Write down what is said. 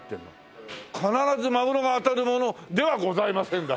「必ずマグロが当たるものではございません」だ。